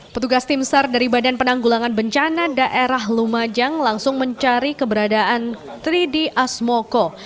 petugas tim sar dari badan penanggulangan bencana daerah lumajang langsung mencari keberadaan tridi asmoko